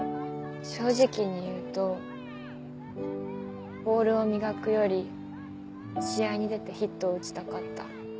正直に言うとボールを磨くより試合に出てヒットを打ちたかった。